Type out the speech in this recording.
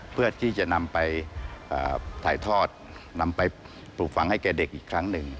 เพื่อที่จะนำไปถ่ายทอดนำไปปลูกฝังให้แก่เด็กอีกครั้งหนึ่ง